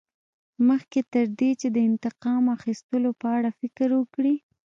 مخکې تر دې چې د انتقام اخیستلو په اړه فکر وکړې.